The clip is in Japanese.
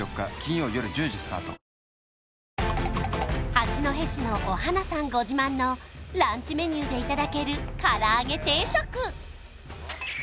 八戸市のおはなさんご自慢のランチメニューでいただける唐揚げ定食